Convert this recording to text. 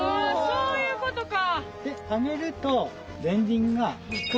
そういうことか！